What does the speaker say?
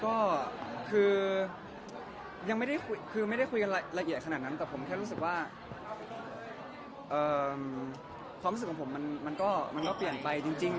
ก็คือยังไม่ได้คุยคือไม่ได้คุยกันละเอียดขนาดนั้นแต่ผมแค่รู้สึกว่าความรู้สึกของผมมันก็เปลี่ยนไปจริง